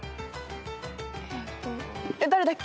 えっと誰だっけ？